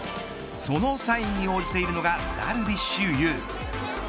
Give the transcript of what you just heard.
そのサインに応じているのがダルビッシュ有。